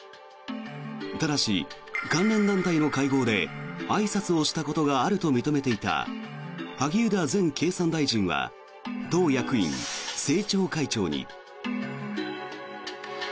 ただし、関連団体の会合であいさつをしたことがあると認めていた萩生田前経産大臣は党役員・政調会長に。